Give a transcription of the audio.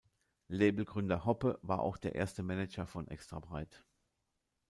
Labelgründer Hoppe war auch der erste Manager von Extrabreit.